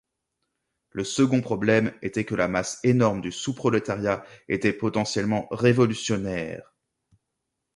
Le second problème était que la masse énorme du sous-prolétariat était potentiellement révolutionnaire.